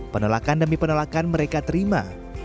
penolakan demi penolakan mereka terima